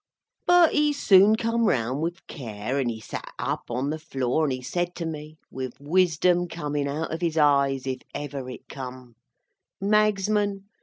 But, he soon come round with care, and he sat up on the floor, and he said to me, with wisdom comin out of his eyes, if ever it come: "Magsman!